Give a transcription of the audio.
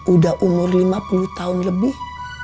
udah umur lima puluh tahun lebih